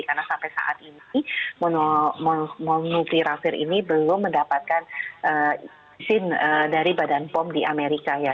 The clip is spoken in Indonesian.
karena sampai saat ini molnupiravir ini belum mendapatkan izin dari badan pom di amerika